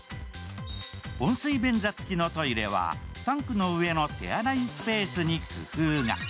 温水便座付きのトイレはタンクの上の手洗いスペースに工夫が。